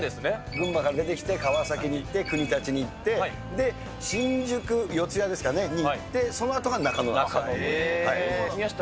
群馬から出てきて川崎に行って、国立に行って、で、新宿・四谷ですかね、に行って、そのあとが中野なんです。